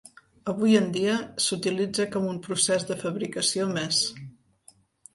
Avui en dia s'utilitza com un procés de fabricació més.